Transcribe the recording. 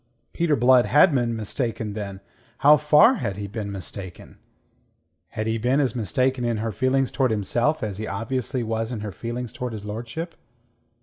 Peter Blood had been mistaken, then. How far had he been mistaken? Had he been as mistaken in her feelings towards himself as he obviously was in her feelings towards his lordship?